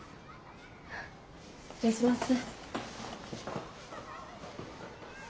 失礼します。